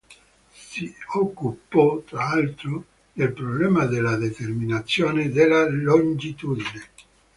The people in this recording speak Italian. Si occupò, tra l’altro, del problema della determinazione della longitudine.